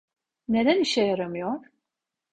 Neden işe yaramıyor?